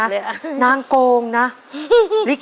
ขอเชิญแม่จำรูนขึ้นมาต่อชีวิตเป็นคนต่อชีวิตเป็นคนต่อชีวิต